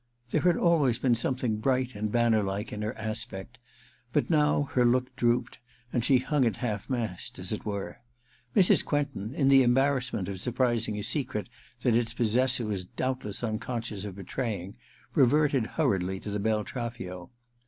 There had always been something bright and banner like in her aspect, but now her look drooped, and she hung at half mast, as it were. Mrs. Quentin, in the embarrassment of surprising a secret that its possessor was doubtless unconscious of betraying, reverted hurriedly to the Beltraffio.